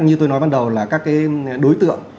như tôi nói ban đầu là các đối tượng